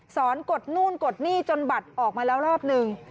กดนู่นกดหนี้จนบัตรออกมาแล้วรอบนึง